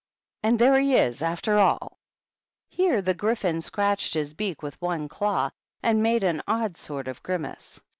And there he is, after all !" Here the Gryphon scratched his beak with one claw and made an odd sort of grimace.